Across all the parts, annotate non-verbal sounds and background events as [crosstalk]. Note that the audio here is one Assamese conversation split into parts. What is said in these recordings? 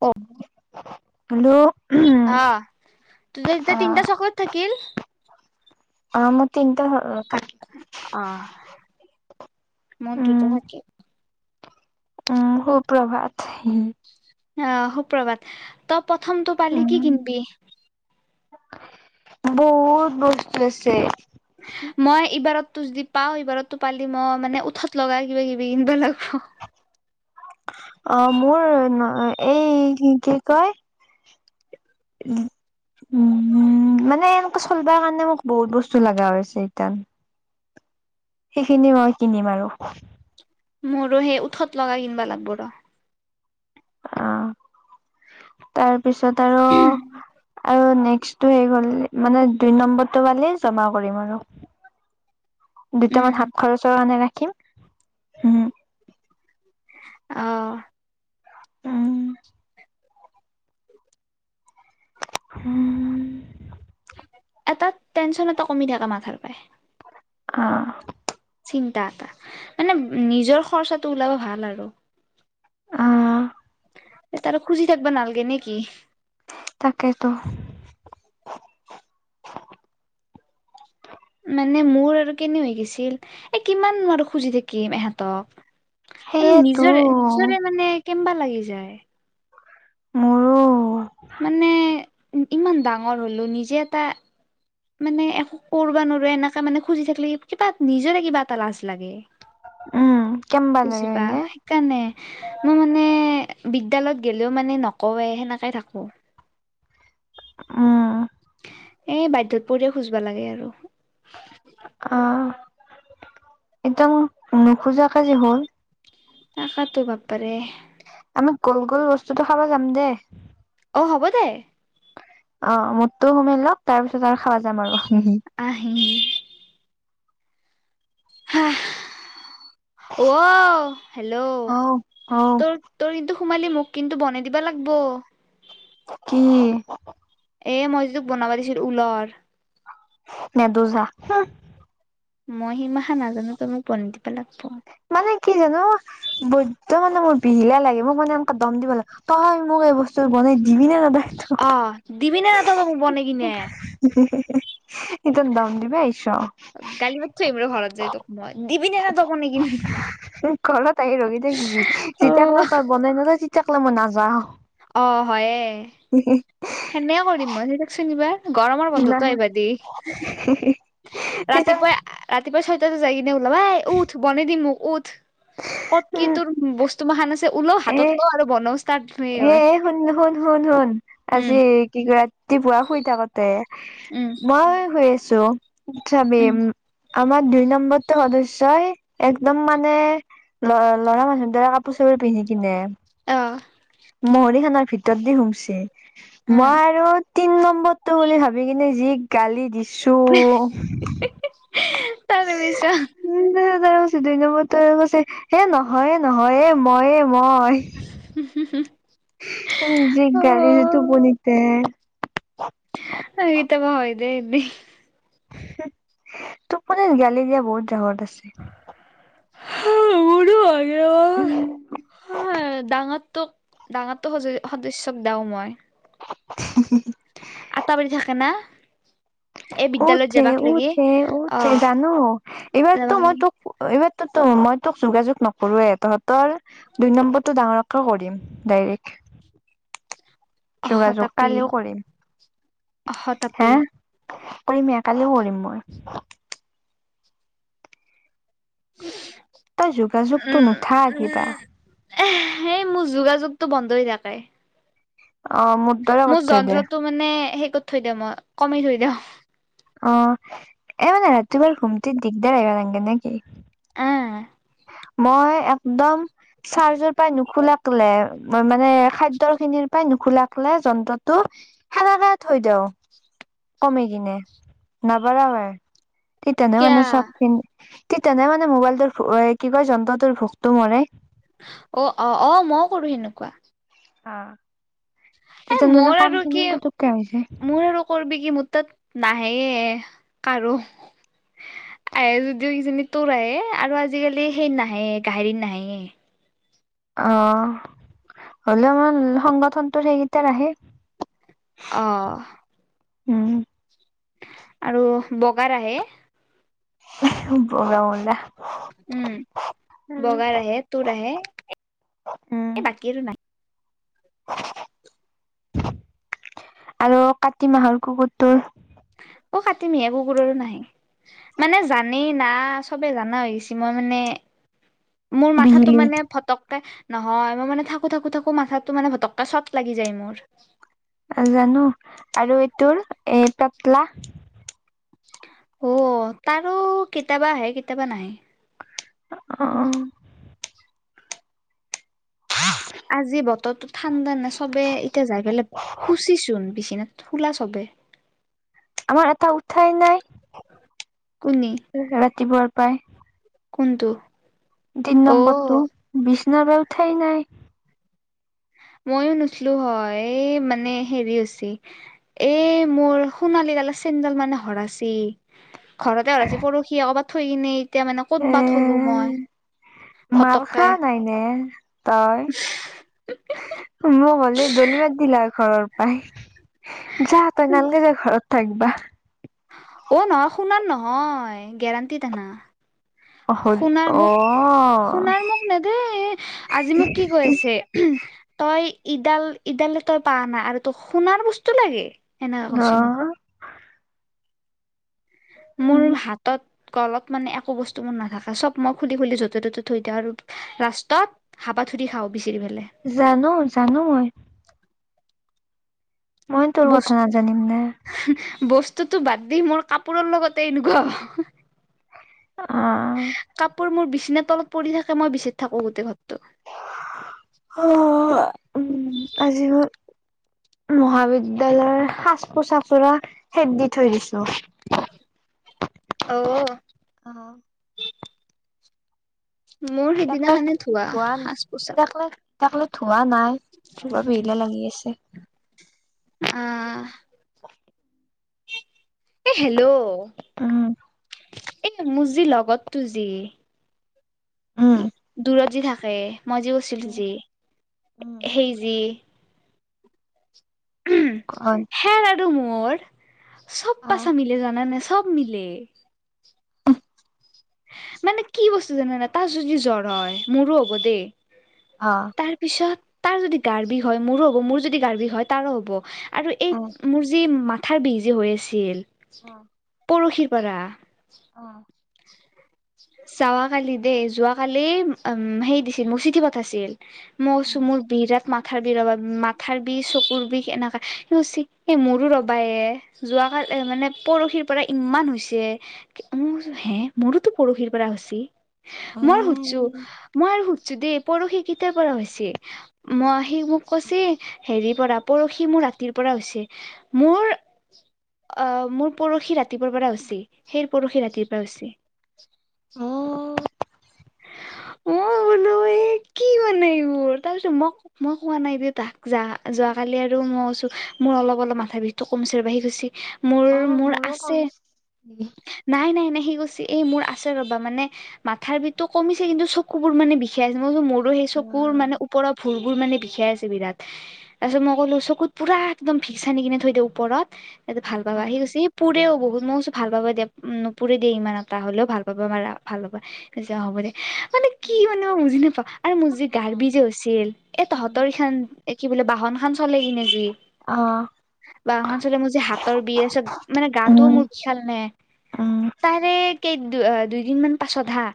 অ, হেল্ল, [inaudible] অ', তিনিটা চকলেট থাকিল। অ, মোক তিনিটা [inaudible] অ, মোৰ উম, দুটো উম, সুপ্ৰভাত আহ, সুপ্ৰভাত, তই প্ৰথমটো পালি কি উম, কিনিবি? বহুত বস্তু আছে। মই এইবাৰতো যদি পাওঁ, এইবাৰতটো পালি মই, মানে উঠত লগা কিবা-কিবি কিনিব লাগব। অ, মোৰ ন, এই কি কয়? উম, মানে এনেকে চলিব কাৰণে মোক বহুত বস্তু লগা হৈছে, সেইখিনি মই কিনিম আৰু। মোৰো সেই উঠত লগা কিনিবা লাগিব ৰহ। অ, তাৰপিছত আৰু [inaudible] আৰু নেক্সটো হেই, গ'ল মানে দুই নম্বৰটো পালে জমা কৰিম আৰু। দুটামান উম হাত খৰচৰ কাৰণে ৰাখিম। উম, অ, উম, উম, এটা টেনশ্যন এটা কমি থাকে, মাথাৰ পায় অ, চিন্তা এটা, মানে নিজৰ খৰচাটো ওলাব ভাল আৰু। অ'। তাৰো খুজি থাকবা নালাগে নেকি? তাকেইতো। মানে মোৰ আৰু কেনে হৈ গৈছিল, এই কিমান আৰু খুজি থাকিম এহঁতক। মানে সেইয়েতো নিজৰে, নিজৰে মানে কেমবা লাগি যায়। মোৰো। মানে ইমান ডাঙৰ হ'লো, নিজে এটা মানে এক কৰিবা নোৱাৰোবা এনেকা মানে খুজি থাকিলি, কিবা নিজৰে কিবা এটা লাজ লাগে। উম, কেমুৱা লাগে বুজিবা এনে? সেইকাৰণে মই মানে বিদ্যালয়ত গ'লেও মানে, নকওঁৱেই সেনেকে থাকোঁ। উম, এই বাধ্যত পৰিয়ে, খোজিবা লাগে আৰু। অ, একদম নোখোজাকে যে হ'ল। তাকেইতো বপৰে। আমি গোল, গোল, বস্তুতটো খাব যাম দে। অ হ'ব দে অ', মোৰতো সোমাই লওক তাৰ পিছত আৰু খাব যাম আৰু হি হি আহি হা অ হেল্ল' অ অ তোৰ তোৰ কিন্তু সুমালি মোক কিন্তু বনাই দিবা লাগব। কি এ মই যে তোক বনাবা দিছিলো ঊলৰ নেদো যা উ মই সিমাহা নাজানোতো তই মোক বনী দিবা লাগব। মানে কি জানো বৈদ্য মানে মোৰ বিহিলা লাগে মোক মানে এনেক দম দিব লাগে। তই মোক এই বস্তু বনাই দিবি নে নেদ অ, দিবি নে ন তই ত মোক বনাই কিনে। হু হু হু এতিয়া দম দিব আহিছ। গালি পাৰছে এইবোৰ ভৰাত যায় তোক মই দিবি নে নেদ বনে কিনে। ঘৰত আহি ৰখি থাকবি যেতিয়াকলে তই বনাই নিদিৱ তেতিয়াকলে মই নাযাও। অ হয়ে। হু হু সেনেও কৰিম মই সেইটোক চিনিবা গৰমৰ বন্ধতো আহিবা দি। হে হে ৰাতিপুৱাই আ ৰাতিপুৱা ছয়টাতে যাই কিনে ওলাবাই উঠ বনাই দিম মোক উঠ কত কি তোৰ ব বস্তু মখান আছে ওলও এ হাতত লও আৰু বনাও ষ্টাৰ্ট হয়ে। এ শুন শুন শুন শুন আজি কি ৰাতিপুৱা শুই থাকোতে উম মই শুই আছো চাবি উম আমাৰ দুই নম্ব টো সদস্যই একদম মানে ল ল'ৰা মানুহৰ দৰে কাপোৰ চাপোৰ পিন্ধি কিনে অ মহৰি খনৰ ভিতৰত দি সোমছে উম মই আৰু তিন নম্বৰতো বুলি ভাবি কিনে যি গালি দিছো। তাৰে মিছা উ ত কৈছে দুই নম্বৰটোৱে কৈছে হে নহয়ে, নহয় ময়ে মই। উম হুম হুম। যি গালিছে টোপনিতে এই কেতিয়াবা হৈ যায় এনেই। হে টোপনিত গালি দিয়া বহুত ৰেকত আছে। হা মোৰো হৈছে ঐ হৈ ডাঙৰটোক ডাঙৰতো সদ সদস্যক দাও মই। [unintelligible] আটা পাৰি থাকে না। এই বিদ্যালয়ত উঠে যাবাক লাগি উঠে অ উঠে জানো এইবাৰতো যাবাক মই লাগি তোক এইবাৰোতো মই তোক যোগাযোগ নকৰোৱে তহঁতৰ দুই নম্বৰটো ডাঙৰকৈ কৰিম ডাইৰেক্ট। অহ যোগাযোগ তাপি কালিও কৰিম অহ হা তাপি কৰিমে কালিও কৰিম মই। হুচ তই যোগাযোগতো নুঠা কিবা এহ ইেই মোৰ, যোগাযোগটো বন্ধয় থাকে। অ', মোত মোৰ যন্ত্ৰটো মানে, সেই কৰি থৈ দিওঁ মই, কমি থৈ দিওঁ। অ', এ মানে ৰাতিুপুৱাৰ ঘুমিতিত দিগদাৰ আহিব নালগে নে কি। উম। মই একদম চাৰ্জৰ পাই, নুখোলেকলে মই মানে, খাদ্য খিনিৰ পৰাই, নুখুলকে যন্ত্ৰটো সাৰে থৈ দিও। কমি কিনে, নাবাৰ আৰু তেনে কিয়া মানে চবখিনি কি তেনে মানে, মোবাইলটোৰ কি কয় যন্ত্ৰটোৰ ভোকতটো মৰে। অ', অ', অ', মইও কৰো সেনেকুৱা। অ', এ তেতিয়া মানে মোৰ কাম আৰু খিনি, কি পুতোকে হয় যায়। মোৰ আৰু কৰবি কি মোৰ তাত, নাহে কাৰো। আহে যদিও কিজানি তোৰ আহে, আৰু আজিকালি সেই নাহে গাহৰি নাহায়ে। অ', হ'লেও মোৰ সংগঠনটো সেইকেইটাৰ আহে। অ'। উম। আৰু বগাৰ আহে। বগা মূলা। উম, বগাৰ আহে, তোৰ আহে, এ বাকী আৰু নাই। আৰু কাতি মাহৰ কুকুৰটোৰ। অ', কাতি মহীয়া কুকুৰৰো নাহে। মানে জানেই না, চবে জানা হৈ গৈছে, মই মানে, মোৰ মাথাতো বিহিলি মানে ফটককে নহয়, মই মানে থাকো, থাকো, থাকো মাথাতো মানে ফটককে চট লাগি যায় মোৰ। জানো, আৰু এইটোৰ, এই পেতলা। অ', তাৰো কেতিয়াবা আহে, কেতিয়াবা নাহে। আহ। আজি বতৰতো ঠাণ্ডা না, চবে এতিয়া যাই পেলাই শুইছেছুন বিচনা শুলা চবে। আমাৰ এটা, উঠাই নাই। কোনি। এই ৰাতিপুৱাৰ পাই। কোনটো। তিনি অ নম্বৰটো, বিছনা পৰা উঠাই নাই। মইয়ো নাছিলো হয়, এ মানে হেৰি হৈছে। এ মোৰ সোণালী কালাৰ, চেণ দাল মানে হৰাচি। ঘৰতে হৰাইছি, পৰহি কৰবাত থৈ কিনে এতিয়া মানে, ক'ত বা থলো মই। মাল ফটককে খা নাই নে তই। মোৰ হ'লে দলী মাৰি দিলা হয় ঘৰৰ পাই। যা তই নালগে যা, ঘৰত থাকিবা। অ', নহয়, সোণৰ নহয়, গেৰাণ্টিত আনা। [inaudible] শুনাৰ অ মোক, শুনাৰ মোক নেদেই, আজি মোক কি কৈ আছে? তই ইডাল, ইডালে তই পাৱ না, আৰু তই সোণৰ বস্তু লাগে। সেনেকাে অ কৈছি মোক। মোৰ উম হাতত, গলত মানে, একো বস্তু মোৰ নাথাকে, চব মই খুলি খুলি য'তে-ত'তে থৈ দিওঁ আৰু। ৰাস্তাত হাপাথুৰি খাওঁ, বিচাৰ পেলাই। জানোঁ জানোঁ মই। মই তোৰ কথা নাজানিম নে। বস্তুতো বাদ দি, মোৰ কাপোৰৰ লগতে এনেকুৱা। অ'। কাপোৰ মোৰ বিচনা তলত পৰি থাকে, মই বিচাৰি থাকো গোটেই ঘৰটোত। অ', উম্, আজি মই। মহাবিদ্যয়ালয়ৰ সাজ-পোছাকোৰা খেদ দি থৈ দিছোঁ। অঔ। অ'। মোৰ তাকলে সেইদিনাখনে ধোৱা সাজ পোছাক তকলে। এতিয়াকলে ধোৱা নাই, ধুুৱা পহিলে লাগি আছে। অ'। এ হেল্ল', উম এ মোৰ যি লগৰটো যি। উম দূৰত যে থাকে, মই যে কৈছিলোঁ যে সেই যে। অ'। হেৰ আৰু মোৰ চব অ কথা‌ মিলে, চব মিলে। মানে কি বস্তু জানানা, তাৰ যদি জ্বৰ হয়। মোৰো হ'ব দেই। অ'। তাৰ পিছত তাৰ যদি গাৰ বিষ হয়, মোৰো হ'ব। মোৰ যদি গাৰ বিষ হয়, তাৰো হ'ব। আৰু এই অ মোৰ যে মাথাৰ বিষ যে হৈ আছিল, অ পৰশিৰ পৰা। অ'। যোৱা কালি দেই, যোৱ কালি উম্, হেৰি দিছিল মোৰ চিঠি পঠাইছিল। মৌ চুমুৰ বিৰাট মাথাৰ বিষ ৰ'বাহে মাথাৰ বিষ, চকুৰ বিষ, এনেকা সিহঁতে এই মোৰো ৰবাই যোৱকালি মানে পৰশিৰ পৰা ইমান হৈছে, উম্, হে মোৰোতো পৰহিৰ পৰা হৈছে। অ মই সুধিছোঁ, মই আৰু সুধিছোঁ দেই পৰহি কেইটাৰ পৰা হৈছে। মই সি মোক কৈছে, হেৰি পৰা পৰহি মোৰ ৰাতিৰ পৰা হৈছে। মোৰ অ', মোৰ পৰহি ৰাতিপুৱাৰ পৰা হৈছে। সেই পৰহি ৰাতিৰ পৰা হৈছে। [inaudible] মই বোলো এই, কি মানে এইবোৰ। তাৰপিছত মোক মই কোৱা নাই দে তাক যা। যোৱা কালি আৰু মই কৈছোঁ মোৰ অলপ অলপ মাথা বিষটো কমিছে বাঢ়ি গৈছে। অ', মোৰো কমিছে। নাই নাই নাই, সি কৈছে এই মোৰ আছে ৰ'বা মানে মাথাৰ বিষ বিষতো কমিছে, কিন্তু চকু বোৰ মানে বিষাই আছে। মই কৈছোঁ মোৰো সেই অ চকুৰ মানে পৰা ভৰিবোৰ মানে বিষাই আছে বিৰাট। তাৰ পিছত মই ক'লো, চকুত পোৰা একদম ভিক্স সানি কেনি থৈ দিওঁ ওপৰত। এয়া ভাল অ পাবা। সি কৈছে, সি পুৰেও বহু মই কৈছোঁ ভাল পাবা দিয়া, উম্, নুপুৰে দিয়া ইমান এটা হ'লেও ভাল পাবা, ভাল পাবা অ', হ'ব দে। মানে কি মানে মই বুজি নাপাওঁ আৰু মোৰ চব যে একে গাৰ্বি যে হৈছিল, এ উম তহতৰ এইখন এ কি বোলে বাহন খন চলে কি নে জুই। অ', বাওঁ হাততোআচলতে মোৰ যে হাতৰ বিৰ আছে মানে গাতো উম মোৰ বিশাল নে উম তাৰে, কেই-দুইদিনমান পাছত হা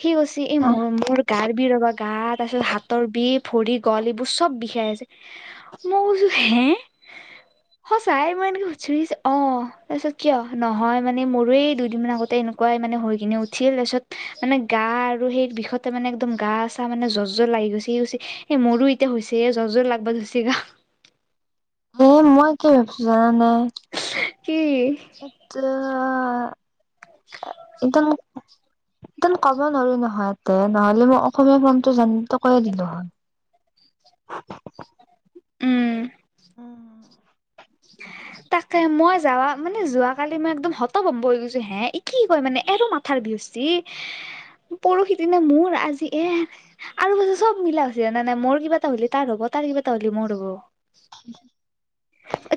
সি কচি, এই মোৰ-মোৰ গাৰ বিৰ ৰবা গা তাৰপিছত হাত হাতৰ বিষ ভৰি গৱালিবোৰ চব বিষাই আছে, মই কৈছো হে [unintelligible] সঁচাই মই এনেকৈ সোধচো সি কৈছে অঁ, তাৰপিছত কিয়? নহয় মানে মোৰৰেই দুদিনমান আগতেই এনে কোৱাই মানে শুই কিনি উঠি লৈছোঁ মানে গা আৰু সেই বিষতে মানে একদম গা-চা মানে জৰ্ জৰ্ লাগি গৈছে সি কৈছে এ মোৰো এতিয়া হৈছে এ, জৰ্-জৰ্ লাগব ধৰচি গা। এ, মই কি ভাবিছো জানানে? কি একদম একদম কব নোৱাৰি নহয় ইতে, নহ'লে মই অসমীয়া ফ্ৰমটো জানি টো কৈয়ে দিলো হয়। [unintelligible] উম হয় [unintelligible] তাকে, মই যাৱা-মানে যোৱ কালি মই একদম হত বম্ব হৈ গৈছো হে, ই কি কয় মানে এ মাত ঠাৰ গৃষ্ঠি পৰহি দিনে মোৰ আজি এ আৰু মানে চব মিলা হৈছে জনানে মোৰ কিবা এটা হ'লি তাৰ হ'ব তাৰ কিবা এটা হ'লি মোৰ হব [unintelligible]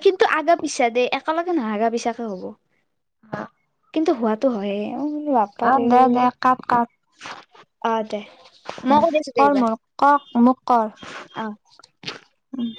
কিন্তু আগা-পিছা দে একেলগে নহগা পিছাকে হ'ব। [inaudible] কিন্তু হোৱাটো হয়ে মই বোলো অঁ, দে-দে কাত-কাত অ দে মই কৰি আছো দে কৰ এইবাৰ মোৰ কক মোক কৰ। অ', উম',।